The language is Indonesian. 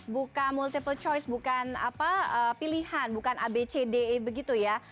bukan multiple choice bukan pilihan bukan abcde begitu ya